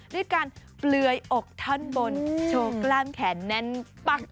ด้วยการเปลือยอกท่อนบนโชว์กล้ามแขนแน่นปั๊ก